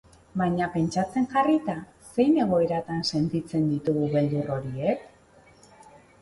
Baina pentsatzen jarrita, zein egoeratan sentitzen ditugu beldur horiek?